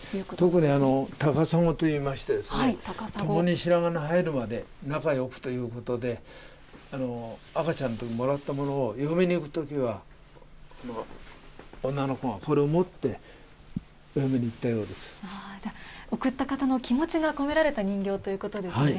特に高砂といいまして、共に白髪の生えるまで仲よくということで、赤ちゃんときもらったものを、嫁に行くときは、女の子はこ贈った方の気持ちが込められた人形ということですね。